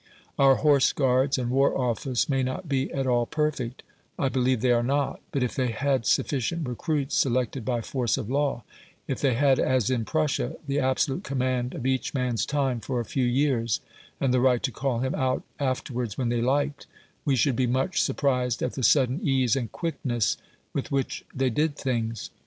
Our Horse Guards and War Office may not be at all perfect I believe they are not: but if they had sufficient recruits selected by force of law if they had, as in Prussia, the absolute command of each man's time for a few years, and the right to call him out afterwards when they liked, we should be much surprised at the sudden ease and quickness with which they did things.